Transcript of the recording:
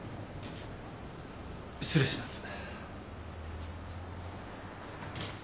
失礼します。